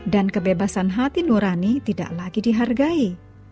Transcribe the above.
dan kebebasan hati nurani tidak lagi dihargai